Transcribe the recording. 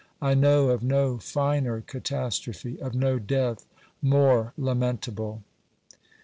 I know of no finer catastrophe, of no death more lamentable.